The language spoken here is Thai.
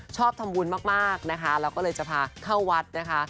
ชอบทำบุญมากนะคะแล้วก็เลยจะพาเข้าวัดนะคะ